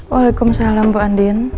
waalaikumsalam bu andien